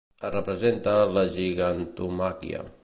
Es representa la gigantomàquia.